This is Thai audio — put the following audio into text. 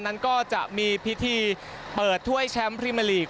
นั้นก็จะมีพิธีเปิดถ้วยแชมป์พรีเมอร์ลีก